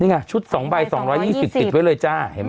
นี่ไงชุด๒ใบ๒๒๐ติดไว้เลยจ้าเห็นไหม